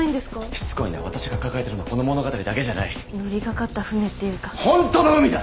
しつこいな私が抱えてるのはこの物語だけじゃない乗りかかった舟っていうかホントの海だ！